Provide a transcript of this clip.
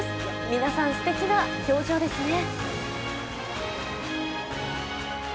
皆さん、すてきな表情ですね。